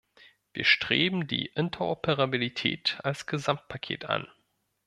Wir streben die Interoperabilität als Gesamtpaket an.